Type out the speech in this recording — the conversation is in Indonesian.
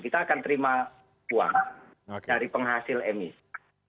kita akan terima uang dari penghasil emisi